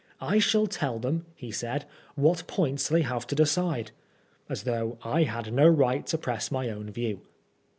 " I shall tell them," he said, " what points they have to decide," as though 1 had no right to press my own view.